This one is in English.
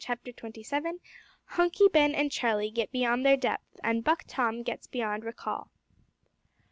CHAPTER TWENTY SEVEN. HUNKY BEN AND CHARLIE GET BEYOND THEIR DEPTH, AND BUCK TOM GETS BEYOND RECALL.